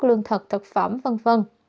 lương thực thực phẩm v v